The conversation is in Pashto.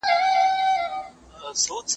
هغه په خپلو سترګو کې د پاکوالي او صداقت رڼا لرله.